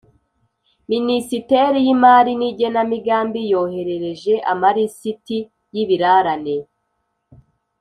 Minisiteri y Imari n Igenamigambi yoherereje amalisiti y’ ibirarane